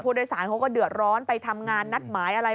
โดยสารเขาก็เดือดร้อนไปทำงานนัดหมายอะไร